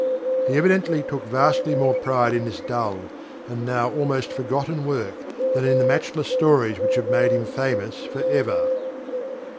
He evidently took vastly more pride in this dull and now almost forgotten work than in the matchless stories which have made him famous for ever.